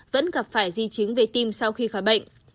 vẫn gặp phải di chứng về tim sau khi khỏi bệnh